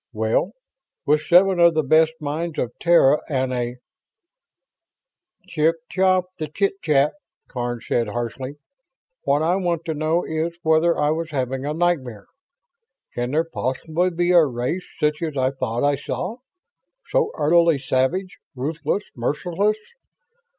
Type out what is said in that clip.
"Well, with seven of the best minds of Terra and a ..." "Chip chop the chit chat!" Karns said, harshly. "What I want to know is whether I was having a nightmare. Can there possibly be a race such as I thought I saw? So utterly savage ruthless merciless!